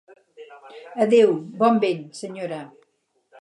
Adeu, bon vent, senyora.